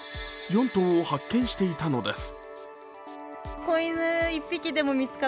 ４頭を発見していたのです。